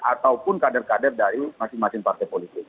ataupun kader kader dari masing masing partai politik